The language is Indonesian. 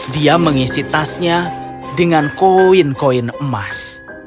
dia mengisi tasnya dengan koin koin emas